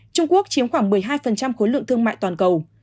trung quốc chiếm khoảng một mươi hai khối lượng thương mại toàn cầu